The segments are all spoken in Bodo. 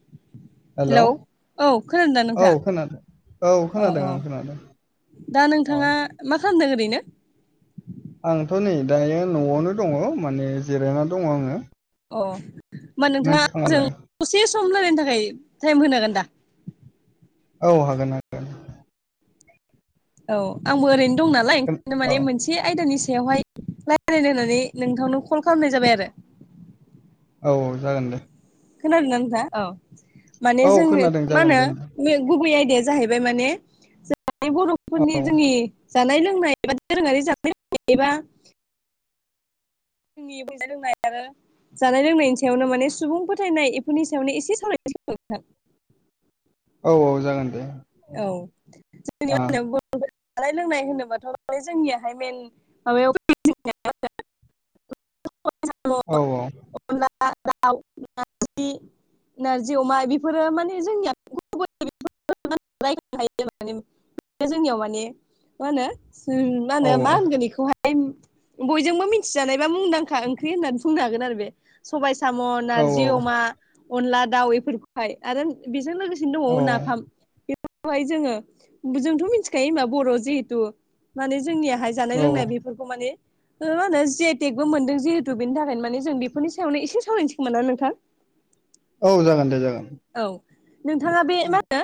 [inaudible] हेलौ औ खोनादोंदा औ नोंथाङा खोनादों औ खोनादों औ आं खोनादों दा औ नोंथाङा मा खालामदों ओरैनो आंथ' नै दायो न'आवनो दंङो माने जिरायना दंङो आंङो अ होमबा नोंथांङाजों दसे सम रायलायनो थाखाय टाइम होनो हागोन दा औ हागोन हागोन औ आंबो ओरैनो दं नालाय खोन- ओंखायनो औ माने मोनसे ए आयदानि सायावहाय रायज्लायनो होननानै नोंथांनो कल खालामनाय जाबाय आरो औ औ जागोन दे खोनादों नोंथा औ माने औ जों खोनादों मा जागोन दे नोंथां। होनो गुबै आयदाया जाहैबाय माने जों बर'फोरनि औ जोंनि जानाय लोंनाय एबा दोरोङारि जानाय लोंनायबा जोंनि बुंनो [unintelligible] आरो जानाय लोंनायनि सायावनो माने सुबुं फोथायनाय बेफोरनि सायावनो एसे सावरायनोसै औ औ जागोन दे औ जोंनि आ जानाय लोंनाय होनोबाथ' जोंनियाहाय मेन माबायाव औ औ अनला दाउ नारजि नारजि अमा बेफोरो माने जोंनिया [unintelligible] जोंनियाव माने मा होनो मा औ होनो मा होनगोन बेखौहाय बयजोंबो मिथिजानायबा मुंदांखा ओंख्रि होननानै बुंनो हागोन आरो बे सबाय साम' औ नारजि अमा अनला दाउ बेफोरखौहाय आरो बेजों लोगोसे दंबावो औ नाफाम बेखौहाय जोंङो जोंथ' मिथिखायो होमबा बर' जिहेथु माने जोंनिया जानाय औ लोंनाय बेफोरखौ माने मा होनो जि आइ टेक बबो मोनदों जिहेथु बेनि थाखायनो माने जों बेफोरनि सायावनो एसें सावरायनोसो नामा नोंथां औ जागोन दे जागोन औ नोंथाङा बे मा होनो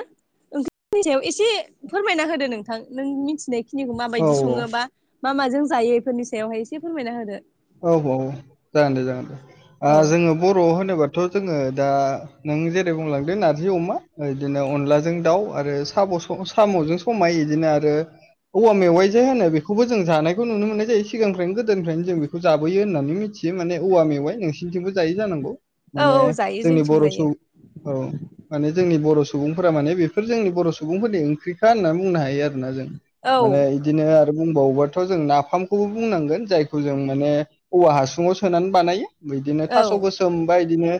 ओं फोरनि सायाव एसे फोरमायना होदो नोंथां नों मिथिनायखिनिखौ औ माबायदि औ सङोबा मा माजों जायो बेफोरनि सायावहाय एसे फोरमायना होदो औ-औ जागोन दे जागोन औ दे जोङो बर' होनोबाथ' जोङो दा नों जेरै बुंलांदो नारजि अमा बिदिनो अनलाजों दाउ आरो साम' साम'जों खमायो बिदिनो आरो औवा मेवाइ जे होनो बेखौबो जों जानायखौ नुनो मोननाय जायो सिगांफ्रायनो गोदोनिफ्रायनो जों बे बेखौ जाबोयो होननानै मिथियो माने औवा मेवाइ नोंसिनिथिंबो जायै जानांगौ। औ माने औ जायो जोंनि जोंथिंबो बर' जायो स- औ माने जोंनि बर' सुबुंफोरा माने बेफोर जोंनि बर' सुबुंफोरनि ओंख्रिखा होननानै बुंनो हायो आरोना जों। औ माने बिदिनो आरो बुंबावोबाथ' जों नाफामखौबो बुंनांगोन जायखौ जों माने औवा हासुङाव सोनानै बानायो बिदिनो औ थास' गोसोमबा बिदिनो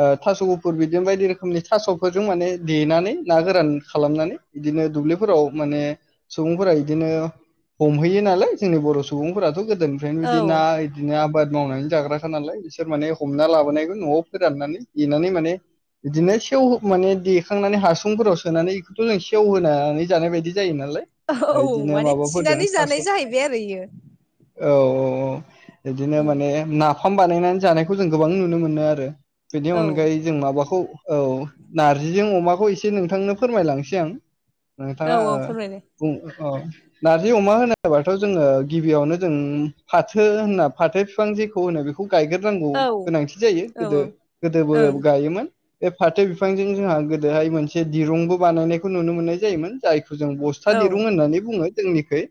ओ थास' गुफुर बिदिनो बायदि रोखोमनि थास'फोरजों माने देनानै ना गोरान खालामनानै बिदिनो दुब्लिफोराव माने सुबुंफोरा बिदिनो हमहैयो नालाय जोंनि बर' सुबुंफोराथ' गोदोनिफ्रायनो औ बिदि ना बिदिनो आबाद मावनानै जाग्राखानालाय बिसोर माने हमना लाबोनायखौ न'आव फोराननानै देनानै माने बिदिनो सेव माने देखांनानै हासुंफोराव सोनानै बेखौथ' जों सेवहोनानै जानाय बायदि जायोनालाय ओ औ बिदिनो माने माबादों थिनानै थास' जानाय औ जाहैबाय आरो इयो औ औ बिदिनो औ माने ना फाम बानायनानै जानायखौ जों गोबां नुनो मोनो आरो बेनि अनगायै औ जों माबाखौ औ नारजिजों अमाखौ एसे नोंथांनो फोरमायलांसै आं औ नोंथाङा ओ औ फोरमायलाय बुं अ नारजि अमा होनोबाथ' जोङो गिबियावनो जों फाथो होनना फाथो बिफां जेखौ होनो बेखौ बेखौ गायग्रोनांगौ औ गोनांथि जायो औ गोदो औ गोदोबो ओं गायोमोन बे फाथो बिफांजों जोंहा गोदोहाय मोनसे दिरुंबो बानायनायखौ नुनो मोननाय जायोमोन जायखौ जों ब स्ता औ दिरुं होननानै बुङो जोंनिखै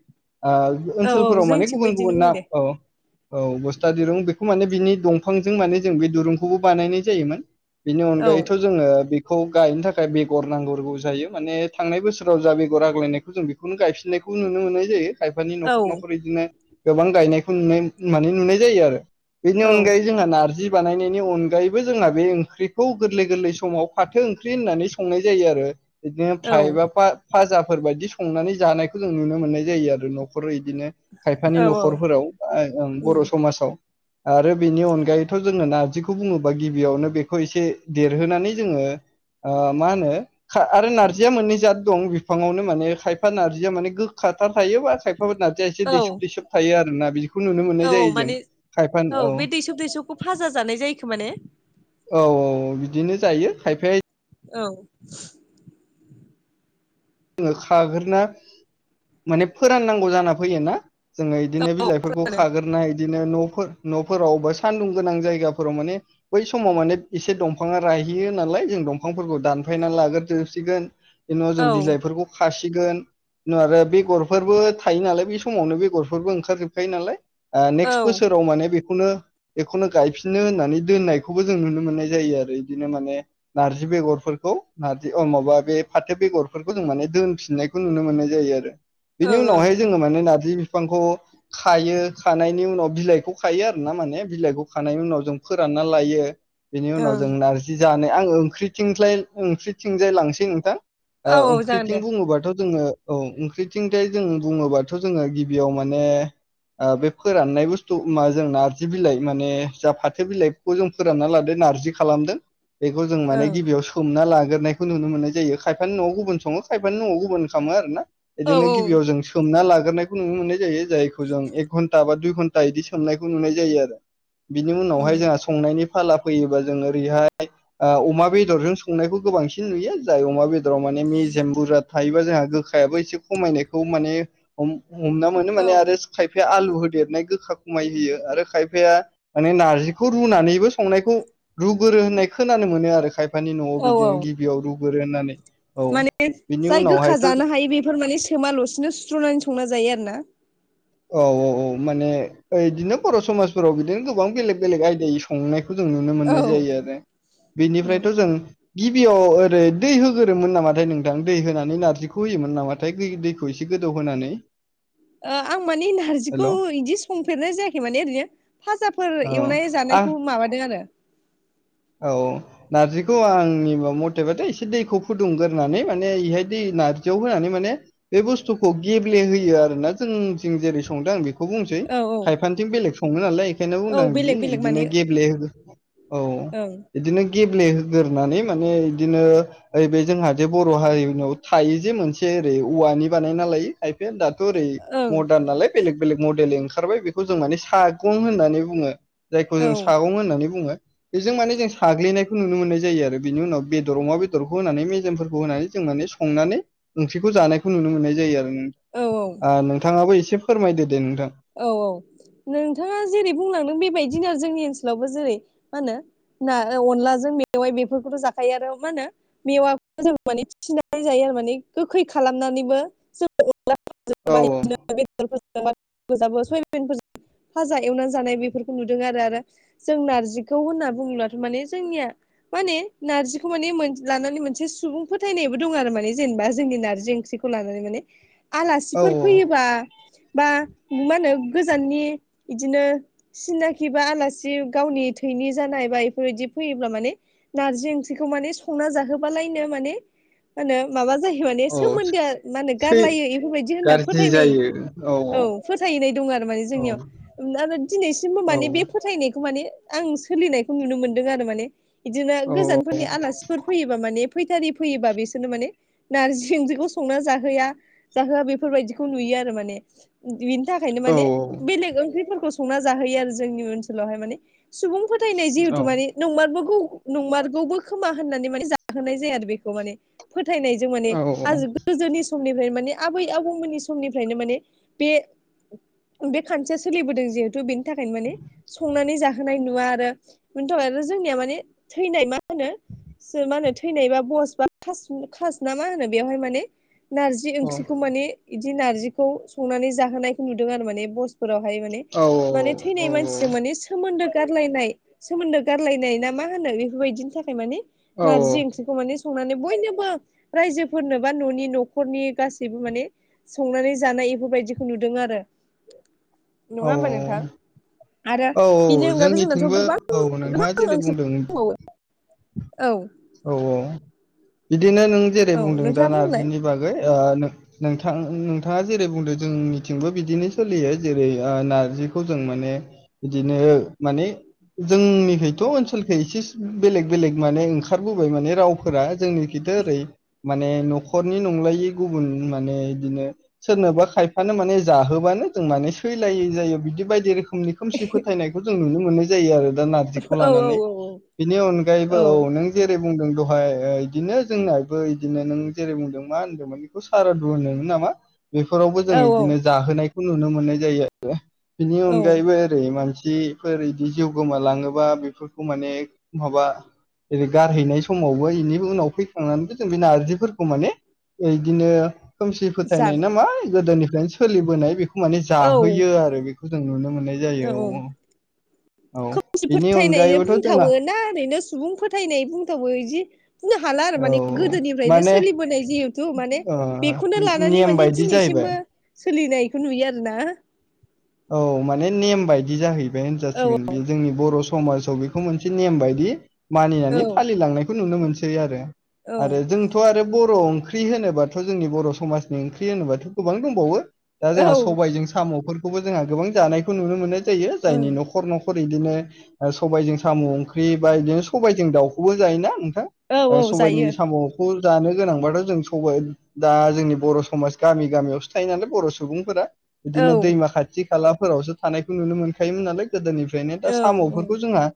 औ औ ओनसोलफोराव माने जोंथिंबो गुबुन बिदिनो गुबुन बुङो नाम दे औ औ बस्था दिरुं बेखौ माने बिनि दंफांजों माने जों बे दुरुंखौबो बानायनाय जायोमोन। बेनि औ अनगायैथ' जोङो बेखौ गायनो थाखाय बेगर नांगोरगौ जायो माने थांनाय बोसोराव जा बेगर आग्लायनायखौ जों बे खौनो गायफिननायखौ नुनो मोननाय जायो। खायफानि औ न'खर-न'खर बिदिनो गोबां गायनायखौ नुनाय मे नुनाय जायो आरो। बेनि औ अनगायै जोंहा नारजि बानायनायनि अनगायैबो जोंहा बे ओंख्रिखौ गोरलै-गोरलै समाव फाथो ओंख्रि होननानै संनाय जायो आरो। बिदिनो औ फ्राय बा फा-फाजाफोर बायदि संनानै जानायखौ जों नुनो मोननाय जायो आरो न'खराव बिदिनो खायफानि औ औ न'खरफोराव ओ बर' उम समाजाव आरो बेनि अनगायैथ' जोङो नारजिखौ बुङोबा गिबियावनो बेखौ एसे देरहोनानै जोङो ओ मा होनो खा आरो नारजिया मोननै जात दं बिफाङावनो माने खायफा नारजिया माने गोखाथार थायोबा खायफाफोर नारजिया एसे औ दैसोब-दैसोब थायो आरो ना बि औ माने औ बे दैसब-दैसबखौ फाजा जानाय जायोखोमा ने? औ-औ-औ बिदिनो जायो खायफाया औ जोङो खाग्रोनो माने फोराननांगौ जाना फैयो ना जोङो इदिनो औ बिलाइफोरखौ खोनादो खाग्रोना इदिनो न'फोर न'फोराव बा सानदुं गोनां जायगाफोराव माने बै समाव माने एसे दंफाङा राहैयो नालाय जों दंफांफोरखौ दानफायनानै लाग्रोजोबसिगोन। बिनि उनाव जों औ बिलाइफोरखौ खासिगोन, उनाव आरो बेगरफोरबो थायो नालाय बे समावनो बेगरफोरबो ओंखारजोबखायो नालाय। ओ ओं नेक्स्ट बोसोराव माने बे बेखौनो बेखौनो गायफिननो होननानै दोननायखौबो जों नुनो मोननाय जायो आरो। इदिनो माने नारजि बेगरफोरखौ नारजि अ माबा बे फाथो बेगरफोरखौ जों माने दोनफिननायखौ नुनो मोननाय जायो आरो। बेनि उनावहाय ओं जोङो माने नार्जि बिफांखौ खायो खानायनि उनाव बिलाइखौ खायो आरोना माने बिलाइखौ खानायनि उनाव जों फोरानना लायो। बेनि उनाव ओं जों नारजि जानाय आंं ओंख्रिथिंख्लाय ओंख्रिथिंजाय लांसै नोंथां। ओ औ औ जागोन ओंख्रिथिं दे बुङोबाथ' जोङो औ ओंख्रिथिंथाय जों बुङोबाथ' जोङो गिबियाव माने ओ बे फोराननाय बुस्थु मा जों नारजि बिलाइ माने जा फाथो बिलाइ खौ जों फोरानना लादो नारजि खालामदों। बेखौ जों माने ओं गिबियाव सोमना लाग्रोनायखौ नुनो मोननाय जायो खाय खायफानि न'आव गुबुन सङो खायफानि न'आव गुबुन खालामो आरोना औ बिदिनो औ गिबियाव जों सोमना लाग्रोनायखौ नुनो मोननाय जायो जायखौ जों एक घन्टा बा दुइ घन्टा इदि सोमनायखौ नुनाय जायो आरो‌। बिनि उनावहाय उम जाहा संनायनि फाला फैयोबा जों ओरैहाय ओ अमा बेदरजों संनायखौ गोबांसिन नुयो जाय अमा बे अ माने मेजेम बुरजा थायोबा जोंहा गोखायाबो एसे खमायनायखौ माने हम हमना मोनो औ माने आरो खायफाया आलु होदेरनाय गोखा खमाय होयो आरो खायफाया माने नारजिखौ रुनानैबो संनायखौ रुगोरो होननाय खोनानो मोनो आरो खायफानि न'आव औ औ बिदिनो गिबियाव रुगोरो होननानै। औ माने बिनि जाय गोखा उनावहायथ' जानो हायो बेफोर माने सोमााल'सिनो सुस्र'नानै संना जायो आरोना। औ औ औ माने बिदिनो बर' समाजफोराव बिदिनो गोबां बेलेग बेलेग आयदायै संनायखौ जों नुनो औ मोननाय जायो। आरो उम बेनिफ्रायथ' जों गिबियाव ओरै दै होग्रोमोन नामाथाय नोंथां दै होनानै नारजिखौ होयोमोन नामा थाय दै दैखौ एसे गोदौ होनानै। आं माने नारजि खौ हेल' औ बिदि संफेरनाय जायाखै माने ओरैनो फाजाफोर एवनाय आं जानायखौ माबादों आरो। औ। नार्जिखौ आंनि म-मथेबाथाय एसे दैखौ फुदुंग्रोनानै माने बेहाय दै नार्जियाव होनानै माने बे बुस्थुखौ गेब्ले होयो आरोना जों थिं जेरै संदों आं बेखौ बेखौ बुंनोसै औ औ खायफानिथिं बेलेग सङो नालाय बेखायनो औ बुंदों आ बिदि बेलेग बेलेग माने बिदिनो गेब्लेहो औ ओं बिदिनो गेब्लेहोग्रोनानै माने बिदिनो ओरै बे जोंहा जे बर' हारिनाव थायो जे मोनसे ओरै औवानि बानायना लायो खायफाया दाथ' ओरै ओं मडार्न नालाय बेलेग बेलेग मडेेल ओंखारबाय बेखौ जों माने सागुं होननानै बुङो। जायखौ औ जों सागं होननानै बुङो। जों माने जों साग्लिनायखौ नुनो मोननाय जायो आरो बेनि उनाव बेदर अमा बेदरखौ होनानै मेजेमफोरखौ होनानै जों माने संनानै ओंख्रिखौ जानायखौ नुनो मोननाय जायो आरो। उम औ ओनोंथाङाबो एसे फोरमायदो दे नोंथां। औ औ नोंथाङा जेरै बुंलांदों बेबायदिनो आरो जोंनि ओनसोलावबो जेरै मा होनो ना ओ अनलाजों मेवाइ बेफोरखौथ' जाखायो आरो मा होनो मेवाखौ जों माने फिनानै जायो आरो माने गोखै खालामनानैबो जों [unintelligible] औ सयाबिन फोरजों फाजा एवनानै जानाय बेफोरखौ नुदों आरो। आरो जों नारजिखौ होनना बुङोब्लाथ' माने जोंनिया माने नारजिखौ माने मोन लानानै मोनसे सुबुं फोथायनायबो दं आरो माने जेनेबा जोंनि नारजि ओंख्रि खौ लानानै माने औ आलासिफोर फैयोबा बा मा होनो गोजाननि इदिनो सिनाखि बा आलासि गावनि थैनि जानाय बा बेफोरबायदि फैयोब्ला माने नारजि ओंख्रिखौ माने संना जाहोबालायनो माने मा होनो माबा जायो माने औ सोमोन्दोआ मा होनो सै गारलायो बेफोरबायदि होनना गाज्रि फोथायनाय जायो औ औ। फोथायनाय दं आरो माने औ औ जोंनियाव आरो दिनैसिमबो औ माने बे फोथायनायखौ माने आं सोलिनायखौ नुनो मोनदों आरो माने बिदिनो गोजानफोरनि आलासिफोर फैयोबा माने फैथारि फैयोबा बिसोरनो माने नारजि ओंख्रिखौ संना जाहोआ जाहोआ बेफोरबायदिखौ नुयो आरो माने बिनि थाखायनो माने बेलेग ओंख्रिफोरखौ संना जाहोयो आरो जोंनि ओनसोलावहाय माने। सुबुं फोथायनाय जिहेतु माने नंमारगौ नंमारगौबोखोमा होननानै माने जाहोनाय जाया आरो बेखौ माने। फोथायनायजों माने आ गोजोनि समनिफ्रायनो माने आबै आबौमोननि समनिफ्रायनो माने बे बे खान्थिया सोलिबोदों जिहेथु बेनि थाखायनो माने संनानै जाहोनाय नुवा आरो बेनिथ जोंनिया माने थैनाय मा होनो? मा होनो थैनायबा बस बा खास ना मा होनो बेवहाय माने नारजि ओंख्रिखौ माने बिदि नारजिर्खौ संनानै जाहोनायखौ नुदों आरो माने बसफोरावहाय माने। माने थैनाय मानसिजों माने सोमोन्दो गारलायनाय सोमोन्दो गारलायनाय ना मा होनो बेफोरबायदिनि थाखाय मानि औ नारजि ओंख्रि खौ माने संनानै बयनोबो रायजोफोरनो बा न'नि न'खरनि गासैबो माने संनानै जानाय बेफोरबायदिखौ नुदों आरो नङा होमबा नोंथां? आरो औ बिनि अनगायैबो जोंनाथ' जोंनिथिंबो गोबां औ नोंथाङा गोबां जेरै ओंख्रि बुंदों दंबावो। औ। औ-औ बिदिनो नों जेरै औ बुंदों दा नोंथाङा बुंलाय नारजिनि बागै। ओ नोंथां नोथाङा जेरै बुंदों जोंनिथिंबो बिदिनो सोलियो। जेरै ओ नारजिखौ जों माने बिदिनो माने जोंनिखैथ' ओनसोलखै एसे बेलेग-बेलेग माने ओंखारबोबाय माने रावफोरा जोंनि गिदो ओरै माने न'खरनि नंलायै गुबुन माने बिदिनो सोरनोबा खायफानो माने जाहोबानो जों माने फैलायै जायो बिदि बायदि रोखोमनि खोमसि फोथायनायखौ जों नुनो मोननाय जायो। आरो दा नार जि औ औ लानानै औ बिनि अनगायैबो औ नों जेरै बुंदों दहाय ओ इदिनो जोंनायबो इदिनो नों जेरै बुंदों मा होनदोंमोन? सारादु होनदोंमोन नामा? बेफोरावबो जों औ औ बिदिनो जाहोनायखौ नुनो मोननाय जायो। आरो बिनि औ अनगायैबो ओरै मानसिफोर बिदि जिउ गोमालाङोबा बेफोरखौ माने माबा जेरै गारहैनाय समावबो बेनि उनाव फैखांनानैबो जों बे नारजिफोरखौ माने इदिनो खोमसि जा फोथायनाय नामा गोदोनिफ्रायनो सोलिबोनाय बेखौ माने औ जाहोयो आरो बेखौ जों नुनो मोननाय औ जायो। औ खोमसि बिनि फोथायनाय अनगायैबोथ' जोंहा बुंथावो ना ओरैनो सुबुं फोथायनाय बुंथावो इदि बुंनो हाला आरो माने औ गोदोनिफ्रायनो माने सोलिबोनाय जिहेथु माने ओ बेखौनो लानानै नेम माने बायदि जाहैबाय दिनैसिमबो सोलिनायखौ नुयो आरो ना। औ माने नेम बायदि जाहैबाय औ होनजासिगोन बे जोंनि बर' समाजाव बेखौ मोनसे नेम बायदि औ मानिनानै फालिलांनायखौ नुनो मोनसै आरो। औ आरो जों थ' आरो बर' ओंख्रि होनोबाथ' जोंनि बर' समाजनि ओंख्रि होनोबाथ' गोबां दंबावो। दा औ जोंहा सबायजों साम'फोरखौबो जोंहा गोबां जानायखौ नुनो मोननाय जायो जायनि ओं न'खर न'खर न'खर बिदिनो सबायजों साम' ओंख्रि बा बिदिनो सबायाइजों दाउखौबो जायोना नोंथां? औ ओ औ सबाइनि जायो साम'खौ जानो गोनांबाथ' जों सबाय दा जोंनि बर' समाज गामि गामियावसो थायो नालाय बर' सुबुंफोरा। औ बिदिनो दैमा खाथि खालाफोरावसो थानायखौ नुनो मोनखायोमोन नालाय। गोदोनिफ्रायनो औ दा औ साम'फोरखौ जोंहा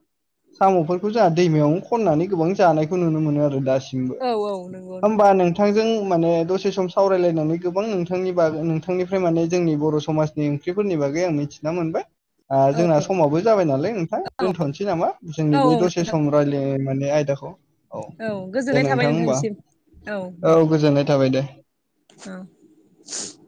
साम'फोरखौ जोंहा दैमायावनो खननानै गोबां जानायखौ नुनो मोनो आरो दासि औ नंगौ नोंथां होमबा नों थांजों माने दसे सम सावरायलायनानै गोबां नोंथांनि बागै नोंथांनिफ्राय माने जोंनि बर' समाजनि ओख्रिफोरनि बागै आं मिथिना मोनबाय। ओ औ जोंना समाबो जाबाय नालाय नोंथां दोनथ'नोसै नामा औ जोंनि औ बे दसे सम रायज्लायनाय माने आयदाखौ? औ दे गोजोननाय थाबाय नोंथां होमबा नोंथांनिसिम। औ गोजोननाय थाबाय दे। औ [unintelligible]